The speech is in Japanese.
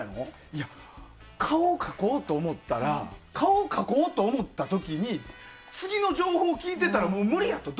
いや、顔描こうと思ったら顔を描こうと思ったときに次の情報を聞いてたらもう無理やって。